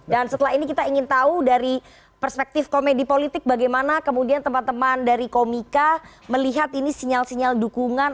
dan setelah ini kita ingin tahu dari perspektif komedi politik bagaimana kemudian teman teman dari komika melihat ini sinyal sinyal dukungan